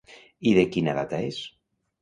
I de quina data és?